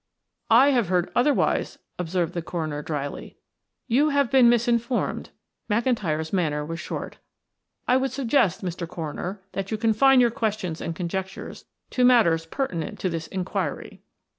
"I have heard otherwise," observed the coroner dryly. "You have been misinformed," McIntyre's manner was short. "I would suggest, Mr. Coroner, that you confine your questions and conjectures to matters pertinent to this inquiry."